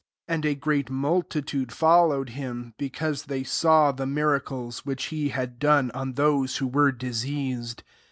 2 And a great multitude follow ed him, because they saw the miracles which he had done on those who were diseased.